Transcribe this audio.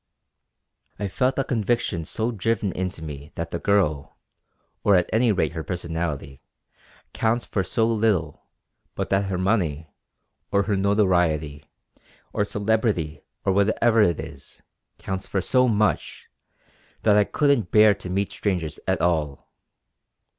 I felt the conviction so driven in to me that the girl, or at any rate her personality, counts for so little, but that her money, or her notoriety, or celebrity or whatever it is, counts for so much, that I couldn't bear to meet strangers at all.